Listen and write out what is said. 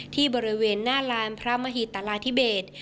ที่บริเวณหน้าลานพระมหิตราธิเบศ